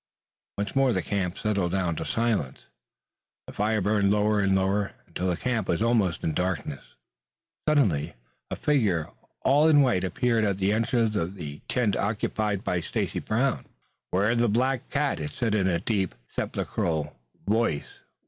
Once more the camp settled down to silence. The fire burned lower and lower until the camp was almost in darkness. Suddenly a figure all in white appeared at the entrance to the tent occupied by Stacy Brown. "'Ware the black cat!" it said in a deep sepulchral voice.